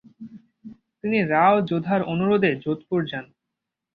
তিনি রাও যোধার অনুরোধে যোধপুর যান।